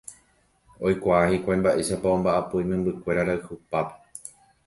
Oikuaa hikuái mba'éichapa omba'apo imembykuéra rayhupápe.